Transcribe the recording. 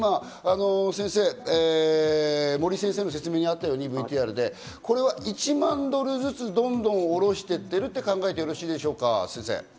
今、先生、森井先生の説明にあったように、ＶＴＲで、これは１万ドルずつどんどん下ろしていっていると考えてよろしいでしょうか？